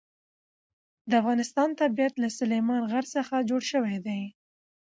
د افغانستان طبیعت له سلیمان غر څخه جوړ شوی دی.